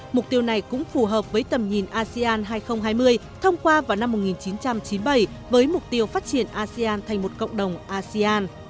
mục tiêu này cũng phù hợp với tầm nhìn asean hai nghìn hai mươi thông qua vào năm một nghìn chín trăm chín mươi bảy với mục tiêu phát triển asean thành một cộng đồng asean